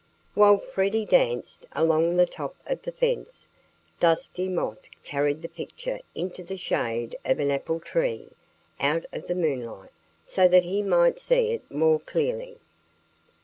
While Freddie danced along the top of the fence, Dusty Moth carried the picture into the shade of an apple tree, out of the moonlight, so that he might see it more clearly.